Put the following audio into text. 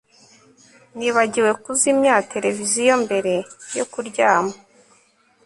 nibagiwe kuzimya televiziyo mbere yo kuryama